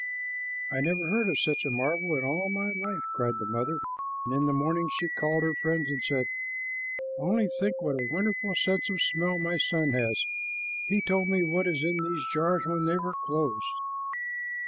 "I never heard of such a marvel in all my life," cried the mother; and in the morning she called her friends and said, "Only think what a wonderful sense of smell my son has! He told me what was in these jars when they were closed."